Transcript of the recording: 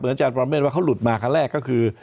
อาจารย์ประเมฆว่าเขาหลุดมาครั้งแรกก็คือ